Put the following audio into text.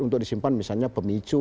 untuk disimpan misalnya pemicu